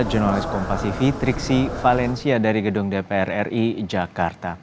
jurnalis kompati fitriksi valencia dari gedung dpr ri jakarta